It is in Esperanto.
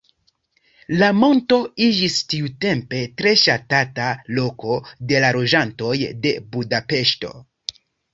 La monto iĝis tiutempe tre ŝatata loko de la loĝantoj de Budapeŝto.